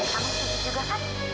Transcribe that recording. kamu setuju juga kan